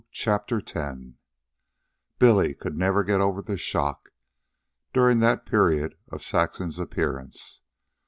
CHAPTER X Billy could never get over the shock, during that period, of Saxon's appearance.